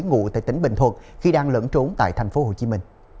ngụ tại tỉnh bình thuận khi đang lẫn trốn tại tp hcm